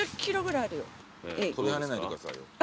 跳びはねないでくださいよ。